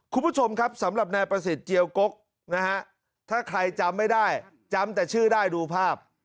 คุณผู้ชมครับสำหรับนายประสิทธิ์เจียวกกนะฮะถ้าใครจำไม่ได้จำแต่ชื่อได้ดูภาพ